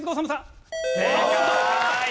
正解！